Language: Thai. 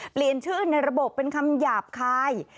เปลี่ยนชื่อในระบบเป็นคำหยาบคาย